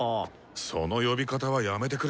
その呼び方はやめてくれ。